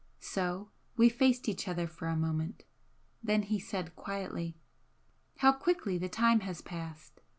So we faced each other for a moment then he said, quietly: "How quickly the time has passed!